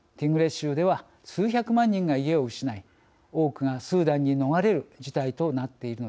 州では数百万人が家を失い多くがスーダンに逃れる事態となっているのです。